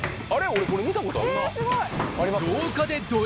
俺これ見たことあるな。